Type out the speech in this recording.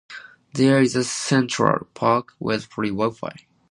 There is a central park with free wi-fi.